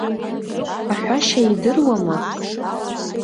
Аҳәашьа идыруама?